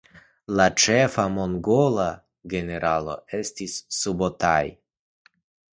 La ĉefa mongola generalo estis Subotai.